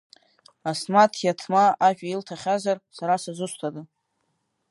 Асмаҭ Иаҭма ажәа илҭахьазар, сара сызусҭада?